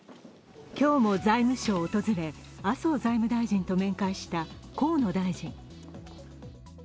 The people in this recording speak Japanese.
今日も財務省を訪れ、麻生大臣と面会した河野氏。